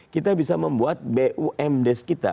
kita bisa membuat bum des kita